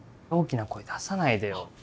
大きな声出さないでよ。